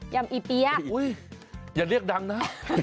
ำอีเปียอย่าเรียกดังนะ